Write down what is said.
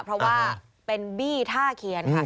เพราะว่าเป็นบี้ท่าเคียนค่ะ